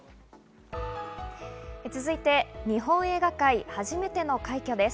続いて、日本映画界初めての快挙です。